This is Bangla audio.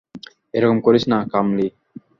এরকম করিস না, কামলি।